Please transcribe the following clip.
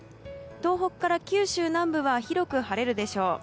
東北から九州南部は広く晴れるでしょう。